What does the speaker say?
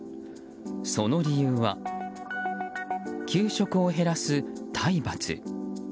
その理由は給食を減らす体罰。